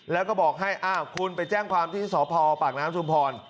แล้วก็บอกให้อ้าวคุณไปแจ้งความที่สพปากน้ำชุมพร